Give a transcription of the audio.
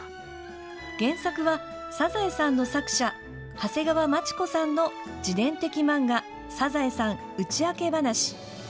原作は「サザエさん」の作者長谷川町子さんの自伝的漫画「サザエさんうちあけ話」。